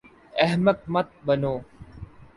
احمق مت بنو